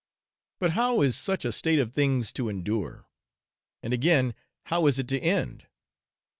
But how is such a state of things to endure? and again, how is it to end?